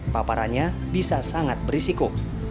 paparannya bisa sangat berisiko